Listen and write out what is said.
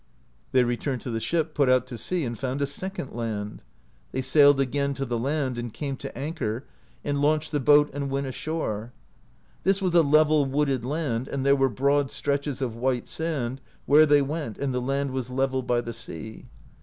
'* They returned to the ship, put out to sea, and found a second land. They sailed again to the land, and came to anchor, and launched the boat, and went ashore. This was a level wooded land, and there were broad stretches of white sand, where they went, and the laud was level by the sea.